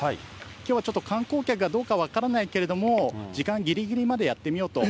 きょうはちょっと観光客がどうか分からないけれども、時間ぎりぎりまでやってみようと。